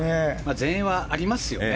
全英はありますよね。